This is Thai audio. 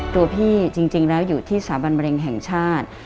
ตัวพี่จริงแล้วอยู่ที่สถาบันมะเร็งแห่งชาติ